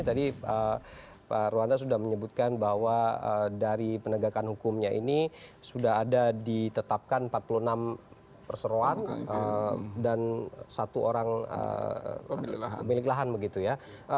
tadi pak ruanda sudah menyebutkan bahwa dari penegakan hukumnya ini sudah ada ditetapkan empat puluh enam perseroan dan satu orang pemilik lahan begitu ya